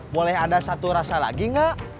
boleh ada satu rasa lagi nggak